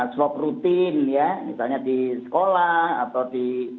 swab rutin ya misalnya di sekolah atau di